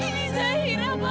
ini sehirah papa